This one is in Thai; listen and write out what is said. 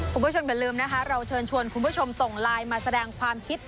คุณผู้ชมอย่าลืมนะคะเราเชิญชวนคุณผู้ชมส่งไลน์มาแสดงความคิด